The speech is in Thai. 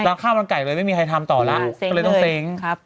แล้วข้าวมันไก่ไปไม่มีใครทำต่อแล้วก็เลยต้องเซ้ง